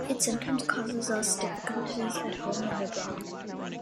It sometimes causes us difficulties at home and abroad.